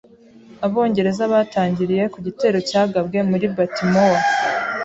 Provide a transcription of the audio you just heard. Abongereza batangiriye ku gitero cyagabwe kuri Baltimore.